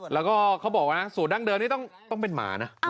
แล้วก็เขาบอกว่าสูตรดั้งเดิมนี่ต้องเป็นหมานะ